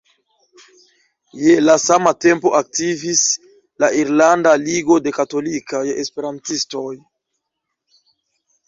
Je la sama tempo aktivis la "Irlanda Ligo de Katolikaj Esperantistoj".